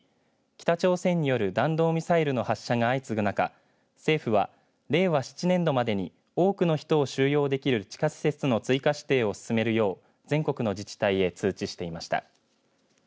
北朝鮮による弾道ミサイルの発射が相次ぐ中政府は、令和７年度までに多くの人を収容できる地下施設の追加指定を進めるよう全国の自治体へ通知していました。